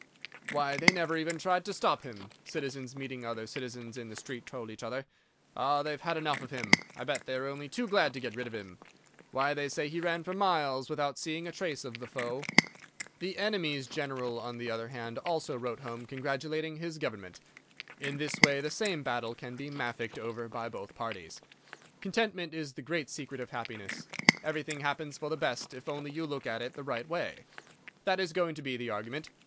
"Why, they never even tried to stop him," citizens, meeting other citizens in the street, told each other. "Ah, they've had enough of him. I bet they are only too glad to get rid of him. Why, they say he ran for miles without seeing a trace of the foe." The enemy's general, on the other hand, also wrote home congratulating his Government. In this way the same battle can be mafficked over by both parties. Contentment is the great secret of happiness. Everything happens for the best, if only you look at it the right way. That is going to be the argument.